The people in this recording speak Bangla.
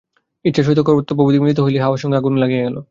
ইচ্ছার সহিত কর্তব্যবুদ্ধি মিলিত হইতেই হাওয়ার সঙ্গে আগুন লাগিয়া গেল।